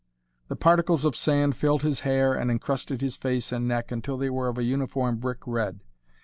The particles of sand filled his hair and encrusted his face and neck until they were of a uniform brick red.